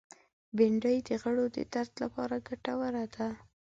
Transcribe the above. بېنډۍ د غړو د درد لپاره ګټوره ده